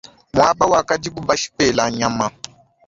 Muaba wakadibu bashipela nyama.